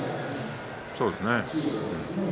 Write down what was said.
そうですね。